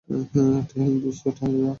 ঠেল দোস্ত, ঠেলে যা।